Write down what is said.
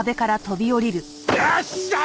よっしゃー！